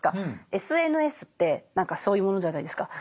ＳＮＳって何かそういうものじゃないですか。